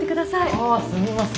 ああすみません